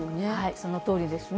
そのとおりですね。